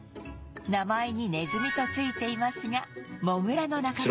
名前に「ネズミ」と付いていますがモグラの仲間で